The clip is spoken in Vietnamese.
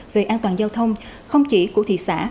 về an toàn giao thông không chỉ của thị xã